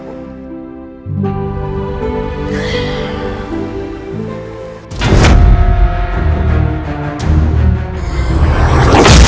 kamu tidak akan mencari keberadaan ini